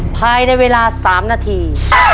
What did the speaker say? ภายในเวลา๓นาที